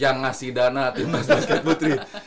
yang ngasih dana tim nas basket putri